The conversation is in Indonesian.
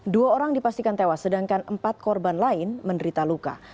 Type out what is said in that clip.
dua orang dipastikan tewas sedangkan empat korban lain menderita luka